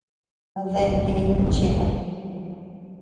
¿Adeea neʼe cheed?.